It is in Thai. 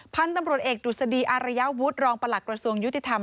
พันธุ์ตำรวจเอกดุษฎีอารยาวุฒิรองประหลักกระทรวงยุติธรรม